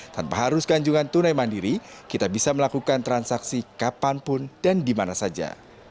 tanpa harus ganjungan tunai mandiri kita bisa melakukan transaksi kapanpun dan dimana saja